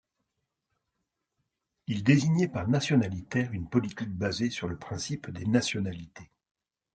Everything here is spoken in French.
Il désignait par nationalitaire une politique basée sur le principe des nationalités.